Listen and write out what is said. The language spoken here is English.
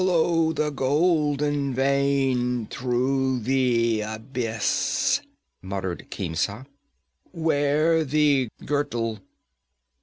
'Follow the golden vein through the abyss,' muttered Khemsa. 'Wear the girdle.